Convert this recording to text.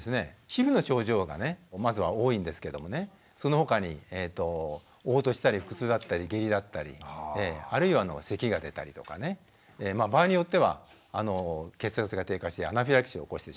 皮膚の症状がねまずは多いんですけどもねそのほかにおう吐したり腹痛だったり下痢だったりあるいはせきが出たりとかね場合によっては血圧が低下してアナフィラキシーを起こしてしまうとか。